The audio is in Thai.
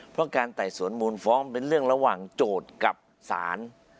เพราะการไต่สวนมูลฟ้องเป็นเรื่องระหว่างโจทย์กับศาล